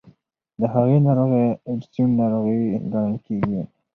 د هغې ناروغۍ اډیسن ناروغي ګڼل کېږي.